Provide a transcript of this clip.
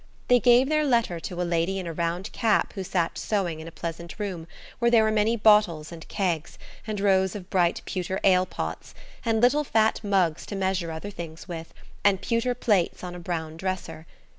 They gave their letter to a lady in a round cap who sat sewing in a pleasant room where there were many bottles and kegs, and rows of bright pewter ale pots, and little fat mugs to measure other things with, and pewter plates on a brown dresser.